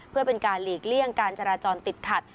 เพื่อเป็นการหลีกเลี่ยงการจราจรติดขัด